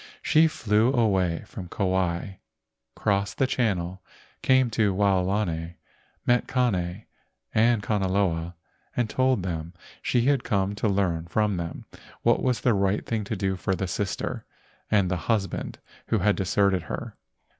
She flew away from Kauai, crossed the channel, came to Waolani, met Kane and Kanaloa and told them she had come to learn from them what was the right thing to do for the sister and the husband who had deserted her.